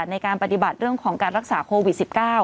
ในการปฏิบัติเรื่องของการรักษาโควิด๑๙